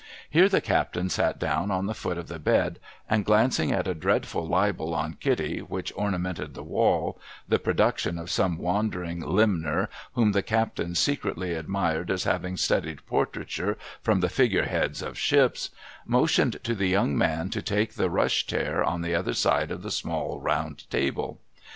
Here the captain sat down on the foot of the bed, and glancing at a dreadful libel on Kitty which ornamented the wall, — the production of some wandering limner, whom the captain secretly admired as having studied portraiture from the figure heads of ships, — motioned to the young man to take the rush chair on the other side of the small, round table.